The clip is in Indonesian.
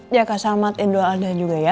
ya kak selamat idul ada juga ya